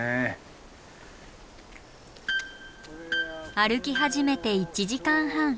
歩き始めて１時間半。